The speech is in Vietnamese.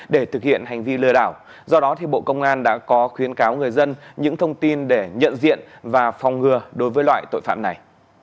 để thực hiện hành vi lừa đảo do đó bộ công an đã có khuyến cáo người dân những thông tin để nhận diện và phòng ngừa đối với loại tội phạm này